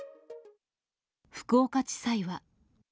福岡地裁は。